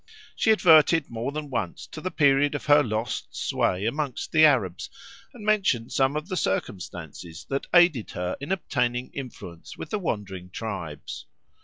She adverted more than once to the period of her lost sway amongst the Arabs, and mentioned some of the circumstances that aided her in obtaining influence with the wandering tribes.